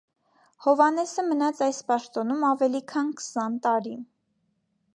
Հովհաննեսը մնաց այս պաշտոնում ավելի քան քսան տարի։